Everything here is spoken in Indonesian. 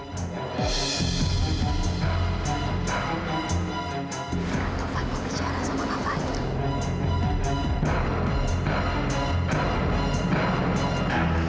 katovan mau bicara sama kak fadil